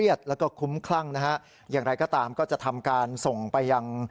อย่างไรก็ตามก็จะทำการส่งไป